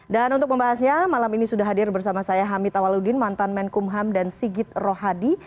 dan untuk membahasnya malam ini sudah hadir bersama saya hamid awaludin mantan menkumham dan sigit rohadi